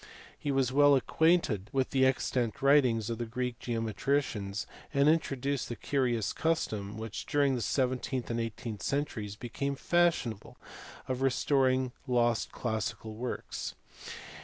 He was well acquainted with the extant writings of the Greek geometricians, and introduced the curious custom, which during the seventeenth and eighteenth centuries became fashionable, of restoring lost classical works.